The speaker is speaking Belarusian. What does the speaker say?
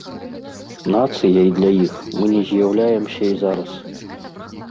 Нацыяй для іх мы не з'яўляемся і зараз.